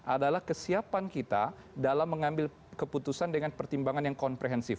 adalah kesiapan kita dalam mengambil keputusan dengan pertimbangan yang komprehensif